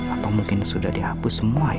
apa mungkin sudah dihapus semua ya